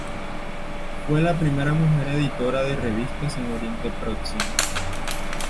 Fue la primera mujer editora de revistas en Oriente Próximo.